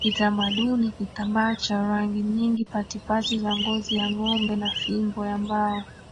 kitamaduni kitambaa cha rangi nyingi patipati za ngozi ya ngombe na fimbo ya mbao